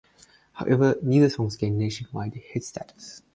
However, neither song gained nationwide hit status.